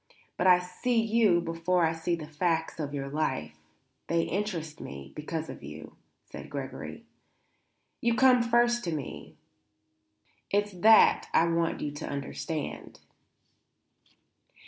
But I see you before I see the facts of your life; they interest me because of you," said Gregory. "You come first to me. It's that I want you to understand."